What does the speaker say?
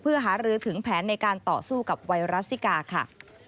เพื่อหารือถึงแผนในการต่อสู้กับไวรัสซิกาค่ะ